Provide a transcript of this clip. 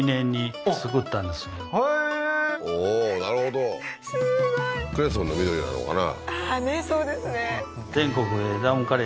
おおーなるほどすごいクレソンの緑なのかな？